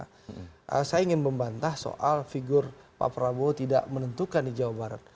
karena saya ingin membantah soal figur pak prabowo tidak menentukan di jawa barat